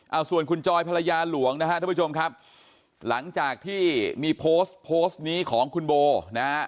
เอาส่วนคุณจอยภรรยาหลวงนะฮะท่านผู้ชมครับหลังจากที่มีโพสต์โพสต์นี้ของคุณโบนะฮะ